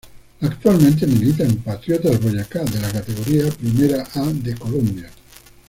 Actualmente milita en Patriotas Boyacá de la Categoría Primera A de Colombia.